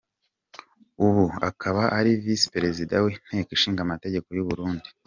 Ubu akaba ari visi Perezida w’Inteko ishinga amategeko y’Uburundi.